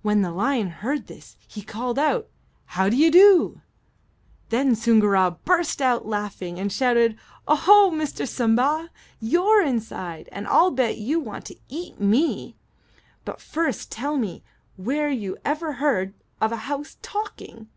When the lion heard this he called out, "How d'ye do?" Then Soongoora burst out laughing, and shouted: "Oho, Mr. Simba! You're inside, and I'll bet you want to eat me; but first tell me where you ever heard of a house talking!"